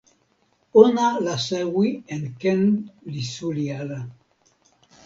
ona la sewi en ken li suli ala.